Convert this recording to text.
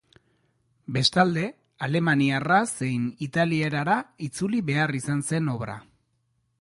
Bestalde, alemaniarra zein italierara itzuli behar izan zen obra.